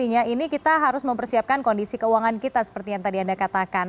ini seharusnya kita harus bersiap siap kondisi keuangan kita seperti yang anda katakan